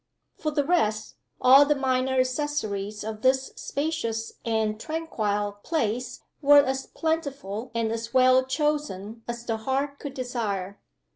For the rest, all the minor accessories of this spacious and tranquil place were as plentiful and as well chosen as the heart could desire.